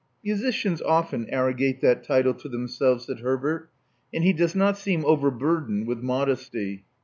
''Musicians often arrogate that title to themselves," said Herbert; "and he does not seem overburdened with modesty.